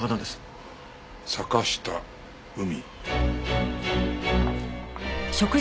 「坂下海」